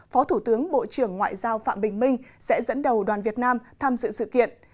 phó thủ tướng bộ trưởng ngoại giao phạm bình minh sẽ dẫn đầu đoàn việt nam tham dự sự kiện